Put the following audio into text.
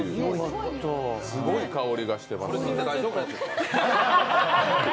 すごい香りがしてます。